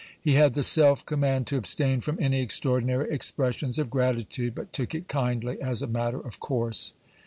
He had the self command to abstain from any extraordinary expressions of gratitude, but took it kindly, as a matter of course.